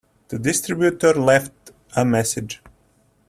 The distributor left a message.